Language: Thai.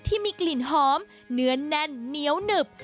ที่มีกลิ่นหอมเนื้อแน่นเหนียวหนึบ